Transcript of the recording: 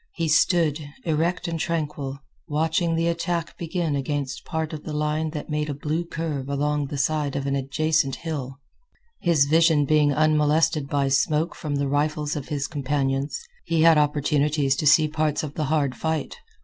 He stood, erect and tranquil, watching the attack begin against apart of the line that made a blue curve along the side of an adjacent hill. His vision being unmolested by smoke from the rifles of his companions, he had opportunities to see parts of the hard fight.